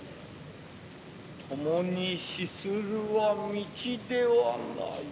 共に死するは道ではない。